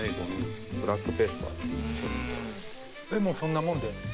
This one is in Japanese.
もうそんなもんで？